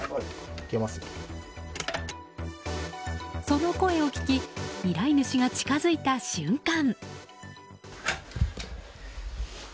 その声を聞き依頼主が近づいた瞬間。